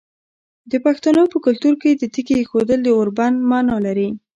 د پښتنو په کلتور کې د تیږې ایښودل د اوربند معنی لري.